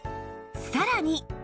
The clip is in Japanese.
さらに